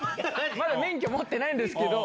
まだ免許持ってないんですけど。